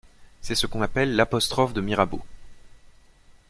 C'est ce qu'on appelle l'apostrophe de Mirabeau.